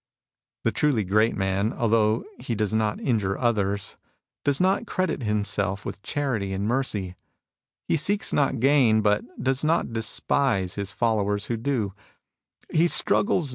The truly great man, although he does not injure others, does not credit himself with charity and mercy. He seeks not gain, but does not despise his followers who do. He struggles not * A natural basis of government.